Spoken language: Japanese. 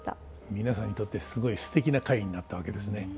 皆さんにとってすごいすてきな会になったわけですね。